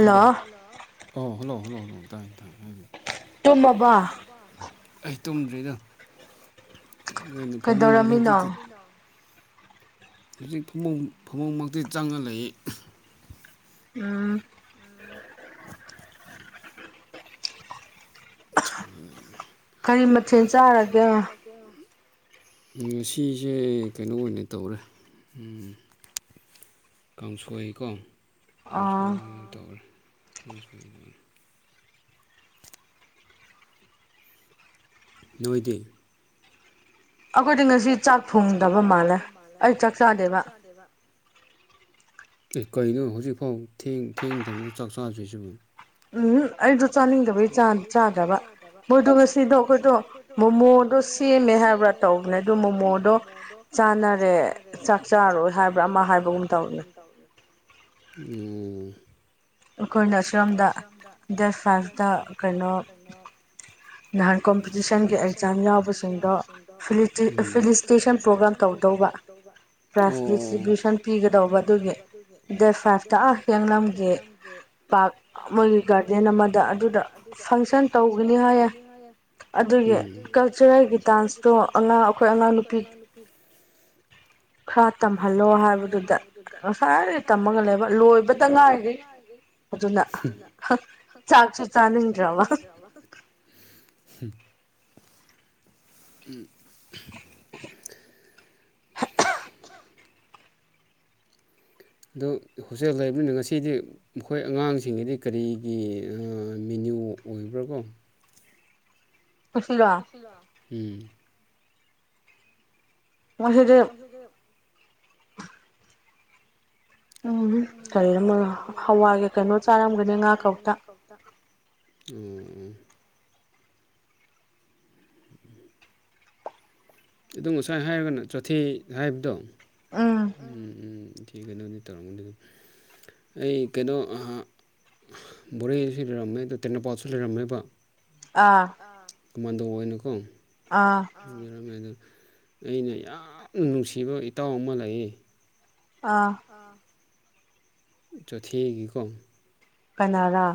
hello hello ꯑ hello hello hello ꯇꯥꯏ ꯇꯥꯢ ꯍꯥꯏ [unintelligible] ꯇꯨꯝꯃꯕꯣ ꯑꯩ ꯇꯨꯝꯗ꯭ꯔꯤꯗ ꯇꯨꯝꯒꯦꯅ ꯐꯃꯨꯡꯗꯒꯤ ꯍꯧꯖꯤꯛꯇ [unintelligible] ꯍꯧꯖꯤꯛ ꯐꯃꯨꯡ ꯐꯃꯨꯡꯃꯛꯇꯤ ꯆꯪꯉ ꯂꯩ ꯎꯝ [unintelligible] ꯀꯔꯤ ꯃꯊꯦꯜ ꯆꯥꯔꯒꯦ ꯉꯁꯤꯁꯦ ꯀꯩꯅꯣ ꯑꯣꯏꯅ ꯇꯧꯔꯦ ꯎꯝ ꯀꯥꯡꯁꯣꯏꯀꯣ ꯀꯥꯡꯁꯣꯢ ꯑ ꯑꯣꯢ ꯇꯧꯔꯦ ꯀꯥꯡꯁꯣꯢꯅ ꯅꯣꯏꯗꯤ ꯑꯈꯣꯏꯗꯤ ꯉꯁꯤ ꯆꯥꯛ ꯊꯣꯡꯗꯕ ꯃꯥꯜꯂꯦ ꯑꯩ ꯆꯥꯛ ꯆꯥꯗꯦꯕ ꯑꯦ ꯀꯩꯅꯣ ꯍꯧꯖꯤꯛꯐꯥꯎ ꯊꯦꯡ ꯊꯦꯡꯃꯇꯝꯗ ꯆꯥꯛ ꯆꯥꯗ꯭ꯔꯤꯁꯤꯕꯨ ꯎꯍꯝ ꯑꯩꯗꯣ ꯆꯥꯅꯤꯡꯗꯕꯒꯤ ꯆ ꯆꯥꯗꯕ ꯃꯣꯏꯗꯨ ꯉꯁꯤꯗꯣ ꯑꯈꯣꯏꯗꯣ ꯃꯣꯃꯣꯗꯣ ꯁꯦꯝ ꯁꯦꯝꯃꯦ ꯍꯥꯏꯕ꯭ꯔꯥ ꯇꯧꯕꯅꯦ ꯇꯧꯕꯅꯦ ꯑꯗꯨ ꯃꯣꯃꯣꯗꯣ ꯆꯥꯅꯔꯦ ꯆꯥꯛ ꯆꯥꯔꯣꯏ ꯍꯥꯏꯕ꯭ꯔꯥ ꯑꯃ ꯍꯥꯏꯕꯒꯨꯝ ꯇꯧꯅꯦ ꯑꯝ ꯑꯩꯈꯣꯏꯅ ꯑꯁꯤꯔꯣꯝꯗ ꯗꯦꯠ ꯐꯥꯏꯚꯇ ꯀꯩꯅꯣ ꯅꯍꯥꯟ ꯀꯣꯝꯄꯤꯇꯤꯁꯟꯒꯤ ꯑꯦꯛꯖꯥꯝ ꯌꯥꯎꯕꯁꯤꯡꯗꯣ ꯐꯤꯂꯤꯇꯤ ꯐꯤꯂꯤꯁꯇꯦꯁꯟ ꯄ꯭ꯔꯣꯒ꯭ꯔꯥꯝ ꯇꯧ ꯄ꯭ꯔꯣꯒ꯭ꯔꯥꯝ ꯇꯧꯗꯧꯕ ꯑꯣ [unintelligible] ꯗꯤꯁꯟ ꯄꯤꯒꯗꯧꯕ ꯑꯗꯨꯒꯤ ꯗꯦꯠ ꯐꯥꯏꯐꯇ ꯑꯥ ꯍꯤꯌꯥꯡꯂꯝꯒꯤ ꯄꯥꯛ ꯃꯣꯏꯒꯤ ꯒꯥꯔꯗꯦꯟ ꯑꯃꯗ ꯑꯗꯨꯗ ꯐꯪꯁꯟ ꯇꯧꯒꯅꯤ ꯍꯥꯏꯌꯦ ꯑꯗꯨꯒꯤ ꯀꯜꯆꯔꯦꯜꯒꯤ ꯗꯥꯟꯁꯇꯣ ꯑꯉꯥꯡ ꯑꯩꯈꯣꯏ ꯑꯉꯥꯡ ꯅꯨꯨꯄꯤ [inaudible] ꯈꯥ ꯇꯝꯍꯜꯂꯣ ꯍꯥꯏꯕꯗꯨꯗ ꯉꯁꯥꯏ ꯇꯝꯃꯒ ꯂꯩꯕ ꯂꯣꯏꯕꯇ ꯉꯥꯏꯔꯤ ꯑꯗꯨꯅ ꯍ ꯆꯥꯛꯁꯨ ꯆꯥꯅꯤꯡꯗ꯭ꯔꯕ [unintelligible] ꯎꯝ [inaudible] [unintelligible] ꯑꯗꯣ ꯍꯣꯁꯇꯦꯜ ꯂꯩꯕꯅꯤꯅ ꯉꯁꯤꯗꯤ ꯃꯈꯣꯏ ꯑꯉꯥꯡꯁꯤꯡꯒꯤꯗꯤ ꯀꯔꯤꯒꯤ ꯃꯤ ꯅ꯭ꯌꯨ ꯑꯣꯏꯕ꯭ꯔꯀꯣ [unintelligible] ꯎꯝ [unintelligible] ꯁꯤꯗꯤ ꯎꯝ ꯀꯔꯤ ꯑꯃꯅꯣ ꯍꯋꯥꯏꯒ ꯀꯩꯅꯣ ꯆꯥꯔꯝꯒꯅꯤ ꯉꯥ ꯀꯧꯇ ꯑꯣ ꯑꯗꯨ ꯉꯁꯥꯏ ꯍꯥꯏꯔꯒꯅ ꯆꯣꯊꯦ ꯍꯥꯏꯕꯗꯣ ꯑꯦ ꯀꯩꯅ [unintelligible] ꯇꯧꯔꯝꯒꯅꯤ ꯑꯗꯨꯝ ꯑꯩ ꯀꯩꯅꯣ ꯃꯣꯔꯦꯁꯨ ꯂꯩꯔꯝꯃꯦ ꯑꯗꯨ ꯇꯦꯡꯅꯧꯄꯥꯜꯁꯨ ꯂꯩꯔꯝꯃꯦꯕ ꯑ ꯀꯃꯥꯟꯗꯧ ꯑꯣꯢꯅꯀꯣ ꯑ ꯑꯣꯏꯔꯝꯃꯦ ꯑꯩꯅ ꯌꯥꯝ ꯅꯨꯡꯁꯤꯕ ꯏꯇꯥꯎ ꯑꯃ ꯂꯩꯌꯦ ꯑꯥ ꯆꯣꯊꯦꯒꯤꯀꯣ ꯀꯅꯥꯔꯥ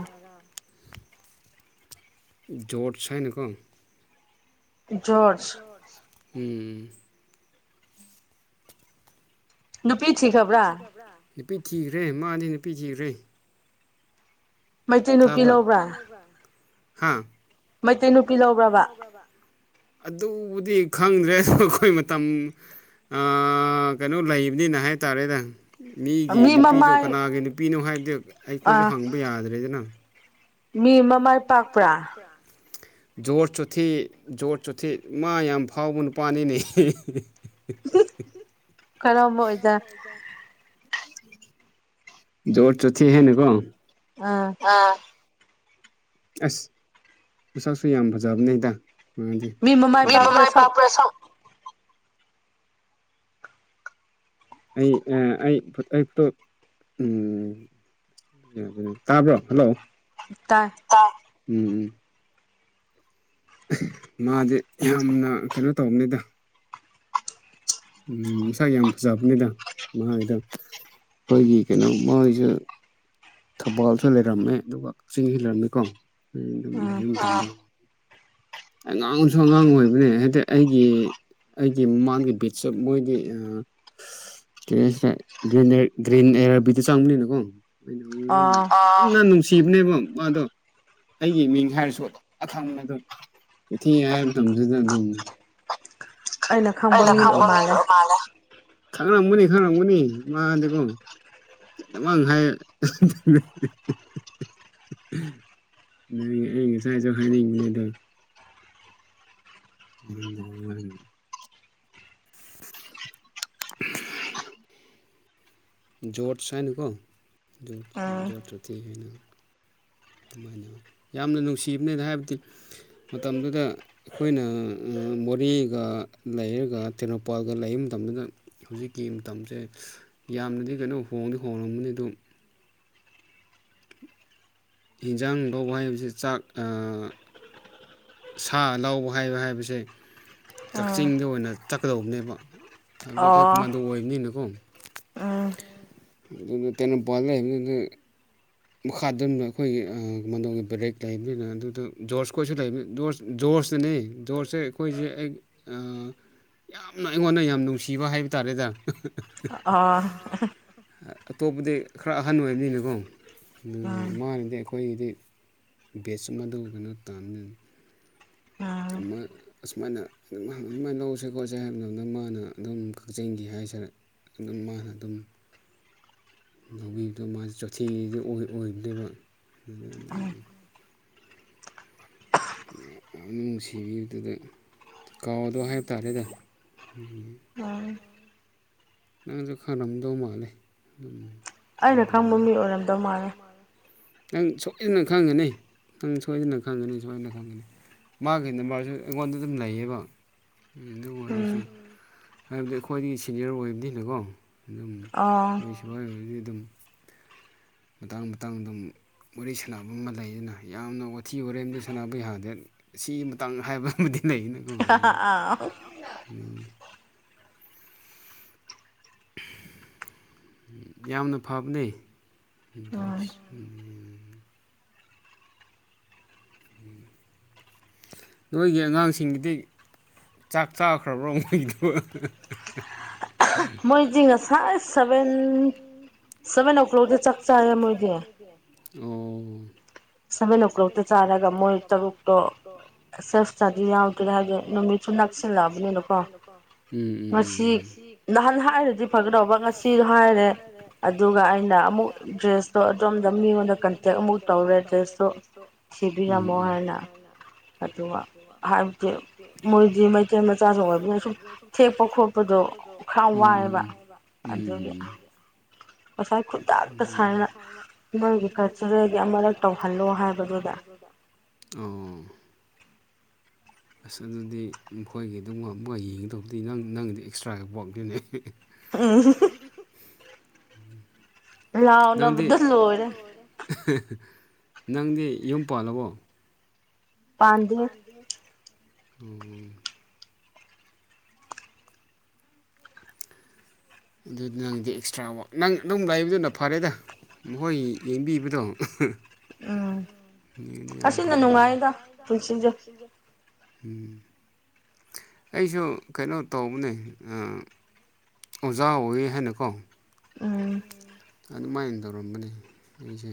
ꯖꯣꯔꯗ꯭ꯁ ꯍꯥꯢꯅꯀꯣ ꯖꯣꯔꯁ ꯎꯝ ꯅꯨꯄꯤ ꯊꯤꯈꯕ꯭ꯔꯥ ꯅꯨꯄꯤ ꯊꯤꯈ꯭ꯔꯦ ꯃꯥꯗꯤ ꯅꯨꯄꯤ ꯊꯤꯈ꯭ꯔꯦ ꯃꯩꯇꯩ ꯅꯨꯄꯤ ꯂꯧꯕ꯭ꯔꯥ ꯍꯥꯥ ꯃꯩꯇꯩ ꯅꯨꯄꯤ ꯂꯧꯕ꯭ꯔꯕ ꯑꯗꯨꯕꯨꯗꯤ ꯈꯪꯗ꯭ꯔꯦ ꯑꯩꯈꯣꯏ ꯃꯇꯝ ꯑꯥ ꯀꯩꯅꯣ ꯂꯩꯕꯅꯤꯅ ꯍꯥꯏꯇꯥꯔꯦꯗ ꯃꯤꯒꯤ ꯅꯨꯄꯤꯗꯣ ꯀꯅꯥꯒꯤ ꯅꯨꯄꯤꯅꯣ ꯍꯥꯏꯕꯗꯤ ꯑꯩꯈꯣꯏꯁꯨ ꯍꯪꯕ ꯌꯥꯗ꯭ꯔꯦꯗꯅ ꯃꯤ ꯃꯃꯥꯏ ꯄꯥꯛꯄ꯭ꯔꯥ ꯖꯣꯔꯠ ꯆꯨꯊꯦ ꯖꯣꯔꯠ ꯆꯨꯊꯦ ꯃꯥ ꯌꯥꯝ ꯐꯥꯎꯕ ꯅꯨꯄꯥꯅꯤꯅꯦ ꯍꯦꯍꯦ [unintelligible] ꯀꯔꯝꯕ ꯑꯣꯏꯖ ꯖꯣꯔ ꯆꯣꯊꯦ ꯍꯥꯢꯅꯀꯣ ꯑꯥ ꯑꯁ ꯃꯁꯛꯁꯨ ꯌꯥꯝ ꯐꯖꯕꯅꯦꯗ ꯃꯤ ꯃꯃꯥꯢ ꯄꯥꯛꯄ꯭ꯔꯁꯧ ꯑꯩ ꯑ ꯑꯩ ꯑꯩ ꯐꯨꯇꯣ ꯎꯝ [unintelligible] ꯇꯥꯕ꯭ꯔꯣ ꯍꯜꯂꯣ ꯇꯥꯢ ꯎꯝ ꯎꯝ ꯃꯥꯗꯤ ꯌꯥꯝꯅ ꯀꯩꯅꯣ ꯇꯧꯕꯅꯤꯗ ꯎꯝ ꯃꯁꯛ ꯌꯥꯝ ꯐꯖꯕꯅꯤꯗ ꯃꯥꯢꯗꯣ [unintelligible] ꯊꯧꯕꯥꯜꯁꯨ ꯂꯩꯔꯝꯃꯦ ꯑꯗꯨꯒ ꯀꯛꯆꯤꯡ ꯍꯦꯜꯂꯝꯃꯤꯀꯣ [unintelligible] ꯑꯉꯥꯡꯁꯨ ꯑꯉꯥꯡ ꯑꯣꯏꯕꯅꯦ ꯍꯥꯏꯗꯤ ꯑꯩꯒꯤ ꯑꯩꯒꯤ ꯃꯃꯥꯡꯒꯤ ꯕꯦꯠꯁꯦ ꯃꯣꯏꯗꯤ ꯑ [unintelligible] ꯆꯪꯕꯅꯤꯅꯀꯣ [unintelligible] ꯁꯤꯕꯅꯦꯕ ꯃꯥꯗꯣ ꯑꯩꯒꯤ ꯃꯤꯡ ꯍꯥꯏꯔꯁꯨ ꯑꯈꯪꯕꯗ ꯊꯤꯌꯦ ꯍꯥꯢꯕ ꯃꯇꯝꯁꯤꯗ ꯑꯗꯨꯝ ꯑꯅ ꯈꯪꯕ ꯃꯤ ꯃꯥꯜꯂꯦ ꯈꯪꯂꯝꯒꯅꯤ ꯈꯪꯉꯝꯒꯅꯤ ꯃꯥꯗꯤꯀꯣ ꯃꯅꯍꯥꯏꯏ [unintelligible] ꯑꯩ ꯉꯁꯥꯢꯁꯨ [unintelligible] ꯎꯝ [unintelligible] ꯖꯣꯔꯗꯖ ꯍꯥꯢꯅꯀꯣ [unintelligible] ꯑꯗꯨꯃꯥꯏꯅ ꯌꯥꯝꯅ ꯅꯨꯡꯁꯤꯕꯅꯦꯅ ꯍꯥꯏꯕꯗꯤ ꯃꯇꯝꯗꯨꯗ ꯈꯣꯏꯅ ꯃꯣꯔꯦꯒ ꯂꯩꯔꯒ ꯇꯦꯡꯅꯧꯄꯥꯜꯒ ꯂꯩ ꯃꯇꯝꯗꯨꯅ ꯍꯧꯖꯤꯛꯀꯤ ꯃꯇꯝꯁꯦ ꯌꯥꯝꯅꯗꯤ ꯀꯩꯅꯣ ꯍꯣꯡꯗꯤ ꯍꯣꯡꯂꯝꯒꯅꯤ ꯑꯗꯨ ꯍꯤꯟꯖꯥꯡꯗꯣ ꯋꯥꯥꯏꯕꯁꯦ ꯆꯥꯛ ꯑ ꯁꯥ ꯂꯧꯕ ꯍꯥꯏꯕ ꯍꯥꯏꯕꯁꯦ ꯀꯛꯆꯤꯡꯗ ꯑꯣꯏꯅ ꯆꯠꯀꯗꯧꯕꯅꯦꯕ ꯍꯥꯏꯕꯗꯤ ꯑꯈꯣꯏ ꯀꯃꯥꯟꯗꯣ ꯑꯣꯏꯕꯅꯤꯅꯀꯣ [unintelligible] ꯃꯈꯥꯗꯨꯅ ꯑꯩꯈꯣꯏꯒꯤ ꯑ ꯃꯣꯅꯣꯒꯤ ꯕ꯭ꯔꯦꯛ ꯂꯩꯕꯗꯨꯅ ꯑꯗꯨꯗꯨ ꯖꯣꯔꯗꯖ ꯈꯣꯏꯁꯨ ꯂꯩꯕꯅꯦ ꯖꯣꯔꯗꯖ ꯖꯣꯔꯗꯖ ꯖꯣꯔꯁ ꯁꯦ ꯑꯈꯣꯢꯁꯦ [unintelligible] ꯌꯥꯝꯅ ꯑꯩꯉꯣꯟꯗ ꯌꯥꯝ ꯅꯨꯡꯁꯤꯕ ꯍꯥꯏꯕ ꯇꯥꯔꯦꯗ ꯑꯥ ꯑꯇꯣꯞꯄꯗꯤ ꯈꯔ ꯑꯍꯟ ꯑꯣꯏꯕꯅꯤꯅꯦꯀꯣ ꯃꯥꯅꯗꯤ ꯑꯩꯈꯣꯏꯒꯤꯗꯤ ꯕꯦꯁ ꯑꯃ ꯇꯧꯗꯅ ꯇꯥꯟꯅꯤ ꯑꯗꯨꯃꯥꯏ ꯑꯁꯨꯃꯥꯏꯅ ꯃꯥꯅ ꯑꯗꯨꯃꯥꯏꯅ ꯂꯧꯁꯦ ꯈꯣꯠꯁꯦ ꯍꯥꯏꯕ ꯃꯇꯝꯗ ꯃꯥꯅ ꯑꯗꯨꯝ ꯀꯥꯛꯆꯤꯡꯒꯤ ꯍꯥꯏ [unintelligible] ꯂꯧꯕꯤꯕꯗꯣ ꯃꯥꯁ ꯆꯣꯊꯦ ꯁꯦ ꯑꯣꯏꯕꯅꯦꯕ ꯅꯨꯡꯁꯤꯕꯤꯕꯗꯨꯗ ꯀꯥꯎꯗꯣ ꯍꯥꯏꯕ ꯇꯥꯔꯦꯅꯦ ꯅꯪꯁꯨ ꯈꯪꯂꯝꯗꯧ ꯃꯥꯜꯂꯦ ꯑꯗꯨꯝ ꯑꯩꯅ ꯈꯪꯕ ꯃꯤ ꯑꯣꯏꯔꯝꯗꯧ ꯃꯥꯂꯦ ꯅꯪ ꯁꯣꯏꯗꯅ ꯈꯪꯒꯅꯤ ꯅꯪ ꯁꯣꯏꯗꯅ ꯈꯪꯒꯅꯤ ꯁꯣꯏꯗꯅ ꯈꯪꯒꯅꯤ ꯃꯥꯒꯤ ꯅꯝꯕ꯭ꯔꯁꯨ ꯑꯩꯉꯣꯟꯗ ꯑꯗꯨꯝ ꯂꯩꯌꯦꯕ ꯎꯝ ꯑꯗꯨ ꯑꯣꯏꯔꯁꯨ ꯍꯥꯏꯕꯗꯤ ꯑꯩꯈꯣꯏꯗꯒꯤ ꯁꯤꯅꯤꯌꯔ ꯑꯣꯏꯕꯗꯤ ꯑꯗꯨꯀꯣ ꯑꯗꯨꯝ ꯑꯥ ꯑꯩꯈꯣꯏ ꯁꯋꯥꯏ ꯑꯣꯏꯔꯗꯤ ꯑꯗꯨꯝ ꯃꯇꯥꯡ ꯃꯇꯥꯡ ꯑꯗꯨꯝ ꯋꯥꯔꯤ ꯁꯥꯟꯅꯕ ꯑꯃ ꯂꯩꯌꯦꯅ ꯌꯥꯝꯅ ꯋꯥꯊꯤ ꯋꯥꯔꯦꯝꯗꯤ ꯁꯥꯟꯅꯕ ꯌꯥꯗꯦ ꯁꯤ ꯃꯇꯥꯡ ꯍꯥꯏꯕ ꯑꯃꯗꯤ ꯂꯩꯒꯤꯅꯤꯀꯣ ꯅꯣꯏꯒꯤ ꯌꯥꯝꯅ ꯐꯕꯅꯦ [unintelligible] ꯅꯣꯏꯒꯤ ꯑꯉꯥꯡꯁꯤꯡꯒꯤꯗꯤ ꯆꯥꯛ ꯆꯥꯈ꯭ꯔꯕ꯭ꯔꯣ ꯃꯣꯏꯗꯣ ꯍꯥ ꯍꯥ ꯃꯣꯏꯗꯤ ꯉꯁꯥꯏ ꯁꯕꯦꯟ ꯁꯕꯦꯟ ꯑꯣ ꯀꯂꯣꯛꯇ ꯆꯥꯛ ꯆꯥꯔꯦ ꯃꯣꯏꯗꯤ ꯑꯣ ꯁꯕꯦꯟ ꯑꯣ ꯀꯂꯣꯛꯇ ꯆꯥꯔꯒ ꯃꯣꯏ ꯇꯔꯨꯛꯇꯣ ꯆꯔꯁꯇꯗꯤ ꯌꯥꯎꯗꯦ ꯍꯥꯏ ꯅꯨꯃꯤꯠꯁꯨ ꯅꯛꯁꯤꯜꯂꯛꯑꯕꯅꯤꯅꯀꯣ ꯎꯝ ꯎꯝ ꯎꯝ ꯃꯁꯤ ꯅꯍꯥꯟ ꯍꯥꯏꯔꯗꯤ ꯐꯒꯗꯧꯕ ꯍꯥꯏꯔꯦ ꯑꯗꯨꯒ ꯑꯩꯅ ꯑꯃꯨꯛ ꯗ꯭ꯔꯦꯁꯇꯣ ꯑꯗꯣꯝꯗ ꯃꯤꯉꯣꯟꯗ ꯀꯟꯇꯦꯛ ꯑꯃꯨꯛ ꯇꯧꯔꯦ ꯗꯔꯦꯁꯇꯣ ꯊꯤꯕꯤꯔꯝꯃꯣ ꯍꯥꯏꯅ ꯑꯗꯨꯒ ꯍꯥꯏꯕꯗꯤ ꯃꯣꯏ ꯍꯥꯏꯗꯤ ꯃꯩꯇꯩ ꯃꯆꯥꯁꯨ ꯑꯣꯏꯕꯅ ꯁꯨꯝ ꯊꯦꯛꯄ ꯈꯣꯠꯄꯗꯣ ꯈꯔ ꯋꯥꯏꯑꯦꯕ ꯑꯗꯨꯒꯤ ꯉꯁꯥꯏ ꯈꯨꯗꯛꯇ ꯁꯥꯏ ꯃꯣꯏꯒꯤ ꯀꯜꯆ꯭ꯔꯦꯜ ꯒꯤ ꯑꯃꯔꯛ ꯇꯧꯍꯜꯂꯣ ꯍꯥꯏꯕꯗꯨꯗ ꯑꯣ ꯑꯁ ꯑꯗꯨꯗꯤ ꯃꯈꯣꯏꯒꯤ ꯑꯗꯨꯒꯨꯝ ꯃꯣꯏ ꯌꯦꯡꯒꯗꯧꯗꯤ ꯅꯪ ꯅꯪꯒꯤꯗꯤ ꯑꯦꯛꯁꯇ꯭ꯔꯥ ꯋꯥꯔꯛꯅꯤꯅꯦ ꯎꯝ ꯂꯥꯎꯅꯕꯗ ꯂꯣꯏꯔꯦ ꯅꯪꯗꯤ ꯌꯨꯝ ꯄꯥꯜꯂꯕꯣ ꯄꯥꯟꯗ꯭ꯔꯤ ꯑꯣ ꯑꯗꯨ ꯅꯪꯗꯤ ꯑꯦꯛꯁꯇ꯭ꯔꯥ ꯋꯥꯔꯛ ꯅꯪ ꯑꯗꯨꯝ ꯂꯩꯕꯗꯨꯅ ꯐꯔꯦꯗ ꯃꯣꯍꯣꯏ ꯌꯦꯡꯕꯤꯕꯗꯣ ꯑꯍ ꯎꯝ ꯑꯥꯁꯤꯅ ꯅꯨꯡꯉꯥꯏꯗ ꯄꯨꯟꯁꯤꯖꯦ ꯎꯝ ꯑꯩꯖꯨ ꯀꯩꯅꯣ ꯇꯧꯕꯅꯦ ꯑꯥ ꯑꯣꯖꯥ ꯑꯣꯏꯌꯦ ꯍꯥꯏꯅꯀꯣ ꯑꯗꯨꯃꯥꯏꯅ ꯇꯧꯔꯝꯕꯅꯦ ꯑꯩꯖꯦ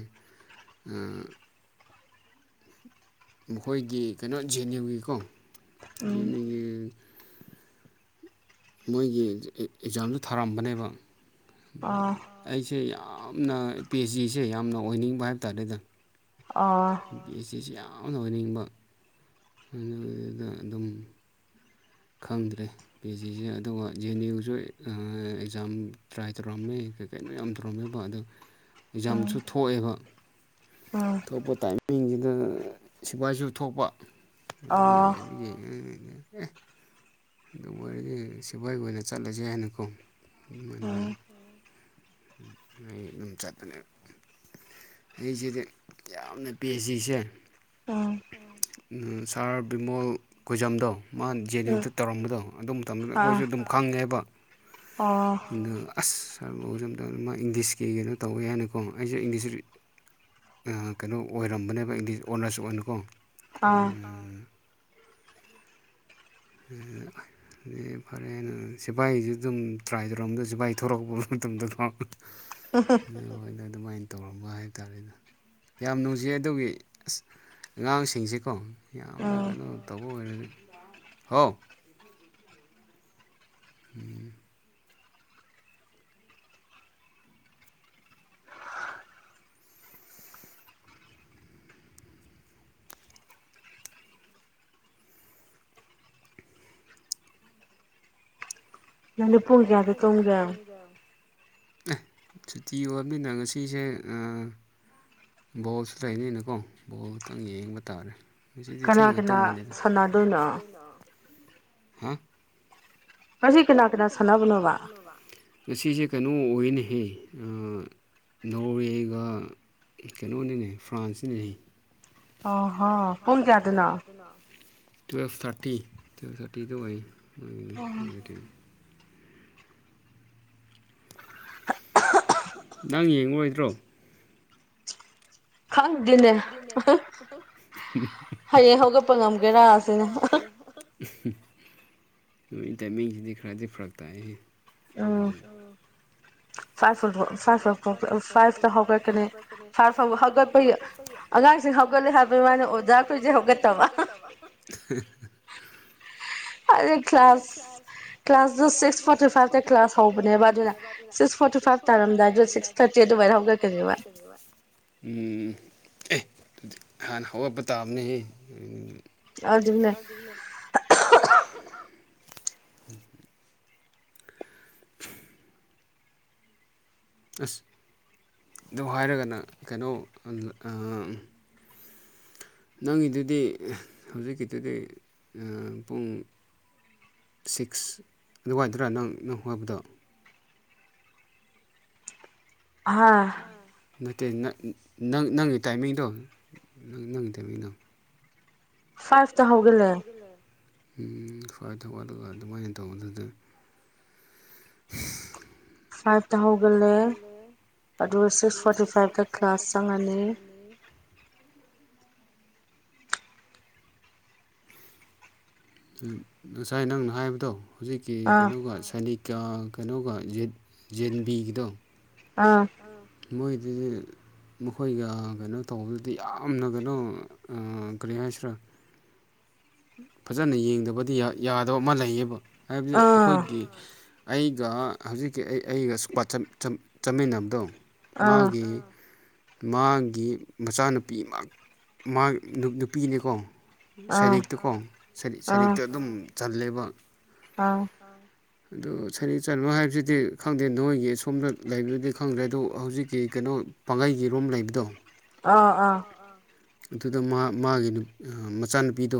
ꯑꯥ ꯃꯈꯣꯏꯒꯤ ꯀꯩꯅꯣ ꯖꯦꯟ ꯌꯨꯒꯤꯀꯣ ꯖꯦꯟ ꯌꯨꯒꯤ [inaudible] ꯃꯣꯏꯒꯤ ꯑꯦꯛ ꯑꯦꯛꯖꯥꯝꯖꯨ ꯊꯥꯔꯝꯕꯅꯦꯕ ꯑꯩꯖꯦ ꯌꯥꯝ ꯑꯥꯝꯅ ꯄꯤ ꯑꯩꯆ ꯖꯤꯁꯦ ꯌꯥꯝꯅ ꯑꯣꯏꯅꯤꯡꯕ ꯍꯥꯏꯕ ꯇꯥꯔꯦꯗꯥ ꯑꯥ ꯄꯤ ꯑꯩꯆ ꯖꯤꯁꯦ ꯌꯥꯝꯅ ꯑꯣꯏꯅꯤꯡꯕ ꯑꯗꯨꯗꯨꯅ ꯑꯗꯨꯝ ꯈꯪꯗ꯭ꯔꯦ ꯄꯤ ꯑꯩꯆ ꯖꯤꯁꯦ ꯑꯗꯨꯒ ꯖꯦꯟ ꯌꯨꯖꯨ ꯑꯦꯛꯖꯥꯝ ꯇ꯭ꯔꯥꯏ ꯇꯧꯔꯝꯃꯦ ꯀꯩ ꯀꯩꯅꯣ ꯌꯥꯝ ꯇꯧꯔꯝꯃꯦꯕꯥ ꯑꯗꯩ ꯑꯦꯛꯖꯥꯝꯁꯨ ꯊꯣꯛꯑꯦꯕ ꯊꯣꯛꯄ ꯇꯥꯏꯃꯤꯡꯖꯤꯗ ꯁꯤꯕꯥꯏꯁꯨ ꯊꯣꯛꯄꯥ ꯑꯗꯨꯒꯤ ꯑꯣꯏꯅꯤ ꯌꯦ ꯑꯗꯨ ꯑꯣꯏꯔꯗꯤ ꯁꯤꯕꯥꯏ ꯑꯣꯏꯅ ꯆꯠꯂꯖꯦ ꯍꯥꯏꯅꯀꯣ ꯑꯗꯨꯃꯥꯏꯅ ꯗꯨꯝ ꯑꯩ ꯗꯨꯝ ꯆꯠꯄꯅꯦ ꯑꯩꯁꯤꯗꯤ ꯌꯥꯝꯅ ꯄꯦ ꯑꯩꯆ ꯖꯤꯁꯦ ꯁꯥꯔ ꯕꯤꯃꯣꯜ ꯀꯣꯏꯖꯝꯗꯣ ꯃꯥ ꯖꯦ ꯑꯦꯟ ꯎꯗ ꯇꯧꯔꯝꯕꯗꯣ ꯑꯗꯨ ꯃꯇꯝꯗꯨꯗ ꯑꯩꯈꯣꯏꯖꯨ ꯑꯗꯨꯝ ꯈꯪꯉꯦꯕꯥ ꯑꯗꯣ ꯑꯁ [unintelligible] ꯃꯥ ꯏꯪꯂꯤꯁꯀꯤ ꯀꯩꯅꯣ ꯇꯧꯋꯦ ꯍꯥꯏꯅꯀꯣ ꯑꯩꯖꯨ ꯏꯪꯂꯤꯁꯖꯨ ꯑꯥ ꯀꯩꯅꯣ ꯑꯣꯏꯔꯝꯕꯅꯦꯕ ꯏꯪꯂꯤ ꯑꯣꯟꯅꯔꯁ ꯑꯣꯏꯅꯀꯣ ꯑꯥ ꯗꯤ ꯐꯔꯦ ꯍꯥꯏꯅ ꯁꯤꯕꯥꯏꯒꯤꯁꯨ ꯗꯨꯝ ꯇ꯭ꯔꯥꯏ ꯇꯧꯔꯝꯗꯖꯨ ꯚꯥꯏ ꯊꯣꯔꯛꯄ ꯃꯇꯝꯗꯀꯣ ꯑꯥ ꯍꯣꯏꯅ ꯑꯗꯨꯃꯥꯏꯅ ꯇꯧꯔꯝꯕ ꯍꯥꯏꯕꯇꯥꯔꯦꯗ ꯌꯥꯝ ꯅꯨꯡꯖꯤꯌꯦ ꯑꯗꯨꯒꯤ ꯑꯁ ꯑꯉꯥꯡꯁꯤꯡꯁꯦꯀꯣ ꯌꯥꯝꯅ ꯀꯩꯅꯣ ꯇꯧꯕ ꯑꯣꯏꯔꯗꯤ ꯍꯣ ꯎꯝ ꯅꯪꯗꯤ ꯄꯨꯡ ꯀꯌꯥꯗ ꯇꯨꯝꯒꯦ ꯑꯦ ꯁꯨꯇꯤ ꯑꯣꯏꯕꯅꯤꯅ ꯉꯁꯤꯁꯦ ꯑꯥ ꯕꯣꯜꯁꯨ ꯂꯩꯅꯤꯅꯀꯣ ꯕꯣꯜ ꯇꯪ ꯌꯦꯡꯕ ꯇꯥꯔꯦ ꯉꯁꯤꯗꯤ ꯊꯦꯡꯅ ꯇꯣꯝꯃꯕꯅꯤꯗꯥ ꯍꯥ ꯉꯁꯤ ꯀꯅꯥ ꯀꯅꯥ ꯁꯥꯟꯅꯕꯅꯣꯕꯥ ꯉꯁꯤꯖꯦ ꯀꯩꯅꯣ ꯑꯣꯏꯅꯦꯍꯦ ꯅꯣꯔꯋꯦꯒ ꯀꯦꯅꯣꯅꯤꯅꯦ ꯐ꯭ꯔꯥꯟꯁꯅꯤꯅꯦ ꯑꯣ ꯍꯣ ꯄꯨꯡ ꯀꯌꯥꯗꯅꯣ ꯇꯨꯋꯦꯜꯞ ꯊꯥꯔꯇꯤ ꯇꯨꯋꯦꯜꯞ ꯊꯥꯔꯇꯤꯗ ꯑꯣꯏꯌꯦ ꯇꯨꯋꯦꯜꯞ ꯊꯥꯔꯇꯤ ꯅꯪ ꯌꯦꯡꯉꯔꯣꯏꯗ꯭ꯔꯣ ꯈꯪꯗꯦꯅꯦ ꯍ ꯍ ꯍꯌꯦꯡ ꯍꯧꯒꯠꯄ ꯉꯝꯒꯦꯔꯥꯖꯤꯅꯦ ꯑꯍ ꯍ ꯑꯍꯨꯝ ꯅꯣꯏ ꯇꯥꯏꯃꯤꯡꯁꯤꯗꯤ ꯈꯔꯗꯤ ꯐꯔꯛ ꯇꯥꯏꯍꯦ ꯐꯥꯏꯚꯐꯨꯜꯕꯣ ꯐꯥꯏꯚꯐꯥꯎꯇ ꯐꯥꯏꯚꯇ ꯍꯧꯒꯠꯀꯅꯤ ꯐꯥꯏꯚꯇ ꯍꯧꯒꯠꯄꯒꯤ ꯑꯉꯥꯡꯁꯤꯡ ꯑꯉꯥꯡꯁꯤꯡ ꯍꯧꯒꯠꯂꯦ ꯍꯥꯏꯕꯩ ꯋꯥꯅꯦ ꯑꯣꯖꯥꯈꯣꯏꯗꯤ ꯍꯧꯒꯠꯇꯕ ꯑꯗꯩ ꯀ꯭ꯂꯥꯁ ꯀ꯭ꯂꯥꯁꯖꯨ ꯁꯤꯛꯁ ꯐꯣꯔꯇꯤ ꯐꯥꯏꯚ ꯇꯩ ꯀ꯭ꯂꯥꯁ ꯍꯥꯎꯕꯅꯦꯕ ꯑꯗꯨꯅ six four six forty five ꯇꯔꯝꯗꯥꯏꯗꯨꯗ ꯁꯤꯛꯁ ꯊꯥꯔꯇꯤ ꯑꯗꯨꯃꯥꯏ ꯍꯧꯒꯠꯇꯣꯏꯅꯦꯕ ꯎꯝ ꯑꯦ ꯗꯤ ꯍꯥꯟꯅ ꯍꯧꯒꯠꯄ ꯇꯥꯕꯅꯦ ꯍꯦ ꯑꯥꯗꯨꯅꯦ [inaudible] ꯑꯁ ꯗꯣ ꯍꯥꯏꯔꯒꯅꯥ ꯀꯅꯣ ꯑꯝ ꯑꯥ ꯅꯪꯒꯤꯗꯨꯗꯤ ꯍꯧꯖꯤꯛꯀꯤꯗꯨꯗꯤ ꯑꯥ ꯄꯨꯡ ꯁꯤꯛꯁ ꯑꯗꯨꯋꯥꯥꯏꯗ꯭ꯔꯥ ꯅꯪ ꯅꯪ ꯍꯧꯒꯠꯕꯗꯣ ꯍꯥꯥ ꯅꯠꯇꯦ ꯅꯪ ꯅꯪꯒꯤ ꯇꯥꯏꯃꯤꯡꯗꯣꯪ ꯅꯪꯒꯤ ꯇꯥꯏꯃꯤꯡꯗꯣ ꯐꯥꯏꯚ ꯇ ꯍꯧꯒꯦ ꯎ ꯈ꯭ꯋꯥꯏ ꯊꯋꯥꯠꯂꯒ ꯑꯗꯨꯃꯥꯏꯅ ꯇꯧꯕꯗꯨꯗ ꯐꯥꯏꯠꯇ ꯍꯧꯒꯦ ꯑꯗꯨꯒ ꯁꯤꯛꯁ ꯐꯣꯔꯇꯤ ꯐꯥꯏꯚꯇ ꯀ꯭ꯂꯥꯁ ꯆꯪꯉꯅꯤ ꯉꯁꯥꯏ ꯅꯪꯅ ꯍꯥꯏꯕꯗꯣ ꯍꯧꯖꯤꯛꯀꯤ ꯀꯩꯅꯣꯒ ꯁꯥꯏꯅꯤꯛ ꯀꯩꯅꯣꯒ ꯌꯦꯖꯦꯟꯕꯤꯒꯤꯗꯣ ꯑꯥ ꯃꯣꯏꯗꯤꯗꯤ ꯃꯈꯣꯏꯒ ꯀꯩꯅꯣ ꯇꯧꯕꯗꯨꯗꯤ ꯌꯥꯝꯅ ꯀꯩꯅꯣ ꯀꯔꯤ ꯍꯥꯏꯁꯤꯔꯥ [inaudible] ꯐꯖꯅ ꯌꯦꯡꯗꯕꯗꯤ ꯌꯥꯗꯕ ꯑꯃ ꯂꯩꯌꯦꯕ ꯍꯥꯏꯕꯗꯤ ꯑꯩꯈꯣꯏꯒꯤ ꯑꯩꯒ ꯍꯧꯖꯤꯛꯀꯤ ꯑꯩ ꯑꯩꯒ ꯁꯨꯄꯥ ꯆꯠꯃꯤꯟꯅꯕ ꯑꯗꯣ ꯃꯥꯒꯤ ꯃꯥꯒꯤ ꯃꯆꯥꯅꯨꯄꯤ ꯅꯨꯄꯤꯒꯤꯅꯤꯀꯣ ꯁꯩꯔꯛꯇꯀꯣ ꯁꯩꯔꯛꯇ ꯑꯗꯨꯝ ꯆꯜꯂꯦꯕ ꯑꯥ ꯑꯗ ꯁꯅꯤ ꯆꯟꯕ ꯍꯥꯏꯕꯁꯤꯗꯤ ꯈꯪꯗꯦ ꯅꯣꯏꯒꯤ ꯑ ꯁꯣꯝꯗ ꯂꯩꯕꯗꯤ ꯈꯪꯗ꯭ꯔꯦ ꯑꯗꯣ ꯍꯧꯖꯤꯛꯀꯤ ꯀꯩꯅꯣ ꯄꯥꯡꯒꯩꯒꯤ ꯔꯣꯝ ꯂꯩꯕꯗꯣ ꯑꯥ ꯑꯥ ꯑꯗꯨꯗ ꯃꯥ ꯃꯥꯒꯤ ꯃꯆꯥꯅꯨꯄꯤꯗꯣ